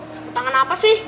sapu tangan apa sih